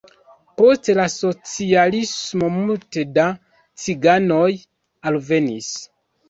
Post la socialismo multe da ciganoj alvenis.